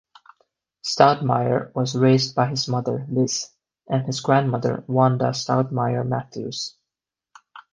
Stoudamire was raised by his mother, Liz, and his grandmother, Wanda Stoudamire-Matthews.